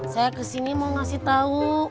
saya ke sini mau ngasih tahu